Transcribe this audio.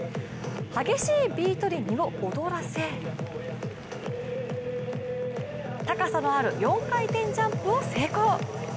激しいビートに身を躍らせ高さのある４回転ジャンプを成功。